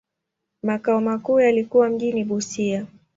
Makao makuu yalikuwa mjini Busia.